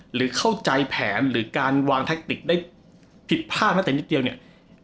หรือเข้าใจแผนหรือการวางแทคติกได้ผิดพลาดแม้แต่นิดเดียวเนี่ย